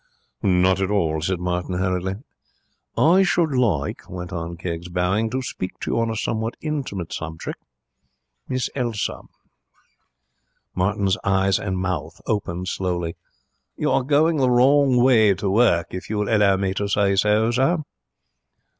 'Not at all,' said Martin, hurriedly. 'I should like,' went on Keggs, bowing, 'to speak to you on a somewhat intimate subject Miss Elsa.' Martin's eyes and mouth opened slowly. 'You are going the wrong way to work, if you will allow me to say so, sir.'